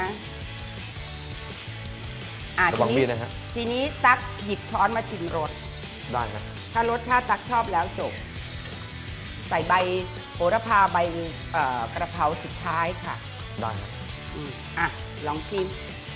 อ่ะทีนี้ตั๊กหยิบช้อนมาชิมรสถ้ารสชาติตั๊กชอบแล้วจบใส่ใบโปรดภาพใบกระเพราสุดท้ายค่ะอ่ะลองชิม